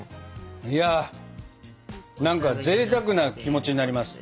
いや何かぜいたくな気持ちになります。